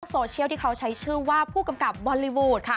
โซเชียลที่เขาใช้ชื่อว่าผู้กำกับบอลลีวูดค่ะ